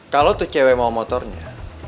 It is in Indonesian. kalau itu cewek mau motornya